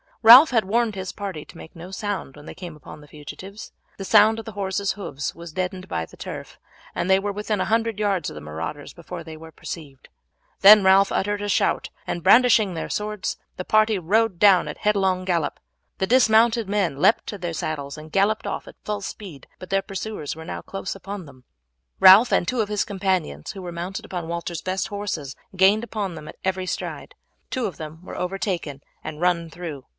Ralph had warned his party to make no sound when they came upon the fugitives. The sound of the horses' hoofs was deadened by the turf, and they were within a hundred yards of the marauders before they were perceived; then Ralph uttered a shout and brandishing their swords the party rode down at a headlong gallop. The dismounted men leaped to their saddles and galloped off at full speed, but their pursuers were now close upon them. Ralph and two of his companions, who were mounted upon Walter's best horses, gained upon them at every stride. Two of them were overtaken and run through.